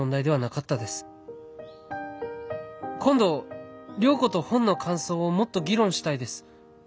今度良子と本の感想をもっと議論したいです。